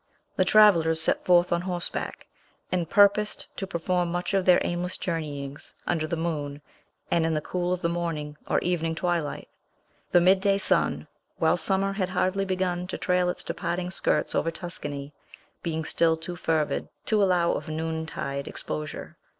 The travellers set forth on horseback, and purposed to perform much of their aimless journeyings under the moon, and in the cool of the morning or evening twilight; the midday sun, while summer had hardly begun to trail its departing skirts over Tuscany, being still too fervid to allow of noontide exposure.